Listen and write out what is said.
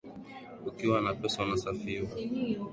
Ukiwa na pesa unasifiwa